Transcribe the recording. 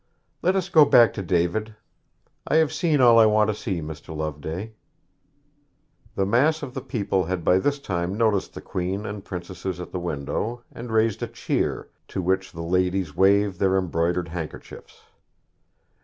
'Let us go back to David; I have seen all I want to see, Mr. Loveday.' The mass of the people had by this time noticed the Queen and princesses at the window, and raised a cheer, to which the ladies waved their embroidered handkerchiefs.